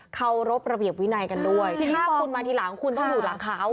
เขารบระเบียบวินัยกันด้วยทีนี้พอคุณมาทีหลังคุณต้องอยู่หลังเขา